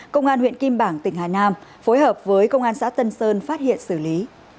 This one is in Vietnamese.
công an huyện kim bảng tỉnh hà nam phối hợp với công an xã tân sơn phát hiện xử lý